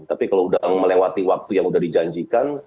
tapi kalau sudah melewati waktu yang sudah dijanjikan